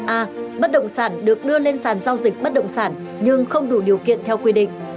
a bất động sản được đưa lên sàn giao dịch bất động sản nhưng không đủ điều kiện theo quy định